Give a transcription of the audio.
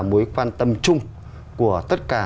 mối quan tâm chung của tất cả